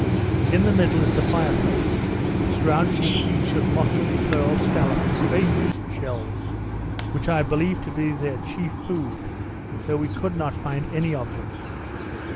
In the middle is the fire place, surrounded with heaps of muscle, pearl, scallop, and cray fish shells, which I believe to be their chief food, though we could not find any of them.